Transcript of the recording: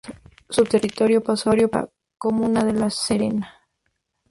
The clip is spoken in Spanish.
Su territorio pasó a la comuna de La Serena.